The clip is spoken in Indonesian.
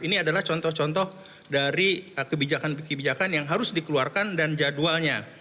ini adalah contoh contoh dari kebijakan kebijakan yang harus dikeluarkan dan jadwalnya